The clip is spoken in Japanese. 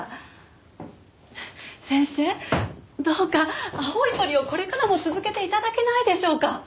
先生どうか青い鳥をこれからも続けて頂けないでしょうか！？